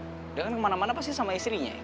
udah kan kemana mana pasti sama istrinya ya